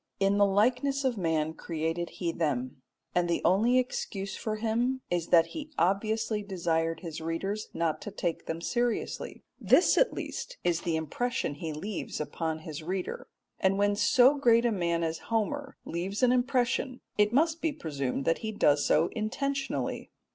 In the likeness of man created he them, and the only excuse for him is that he obviously desired his readers not to take them seriously. This at least is the impression he leaves upon his reader, and when so great a man as Homer leaves an impression it must be presumed that he does so intentionally.